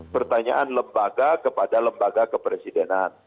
pertanyaan lembaga kepada lembaga kepresidenan